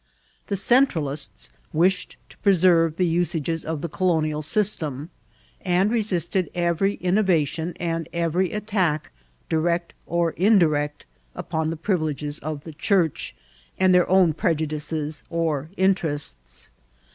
The Centralists wished to preserve the usages of the colonial system, and resisted every innovation and every attack, direct or indirect, upon the privileges of the Church, and their own prejudices or interests.